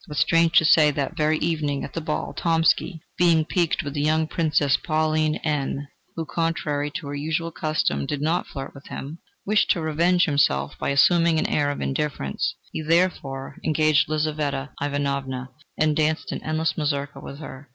But, strange to say, that very evening at the ball, Tomsky, being piqued with the young Princess Pauline N , who, contrary to her usual custom, did not flirt with him, wished to revenge himself by assuming an air of indifference: he therefore engaged Lizaveta Ivanovna and danced an endless mazurka with her.